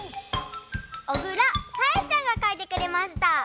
おぐらさえちゃんがかいてくれました。